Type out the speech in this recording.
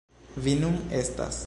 Vi nun estas.